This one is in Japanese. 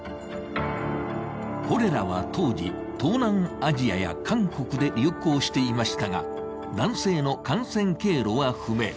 コレラは当時、東南アジアや韓国で流行していましたが男性の感染経路は不明。